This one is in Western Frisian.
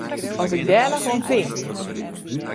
As ik dêr noch oan tink!